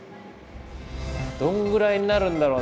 どのぐらいになるんだろうな？